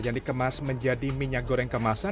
yang dikemas menjadi minyak goreng kemasan